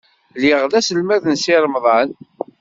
Lliɣ d aselmad n Si Remḍan.